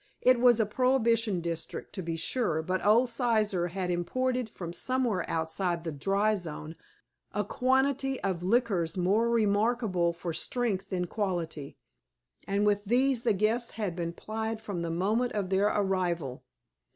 It was a prohibition district, to be sure, but old Sizer had imported from somewhere outside the "dry zone" a quantity of liquors more remarkable for strength than quality, and with these the guests had been plied from the moment of their arrival.